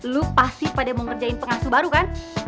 lu pasti pada mau ngerjain pengasuh baru kan